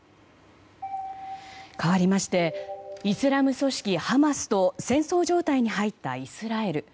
かわりましてイスラム組織ハマスと戦争状態に入ったイスラエル。